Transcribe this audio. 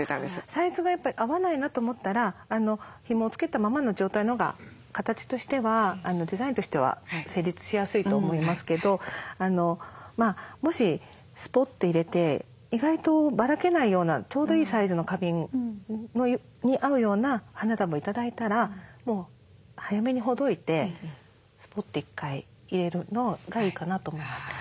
サイズがやっぱり合わないなと思ったらひもをつけたままの状態のほうが形としてはデザインとしては成立しやすいと思いますけどもしスポッて入れて意外とばらけないようなちょうどいいサイズの花瓶に合うような花束を頂いたらもう早めにほどいてスポッて１回入れるのがいいかなと思います。